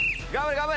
頑張れ！